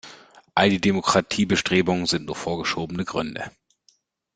All die Demokratiebestrebungen sind nur vorgeschobene Gründe.